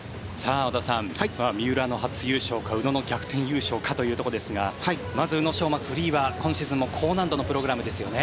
織田さん、三浦の初優勝か宇野の逆転優勝かというところですがまず宇野昌磨、フリーは今シーズンも高難度のプログラムですよね。